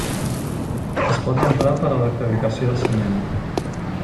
Es pot emprar per a la fabricació de ciment.